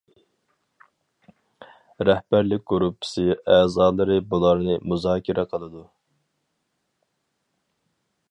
رەھبەرلىك گۇرۇپپىسى ئەزالىرى بۇلارنى مۇزاكىرە قىلدى.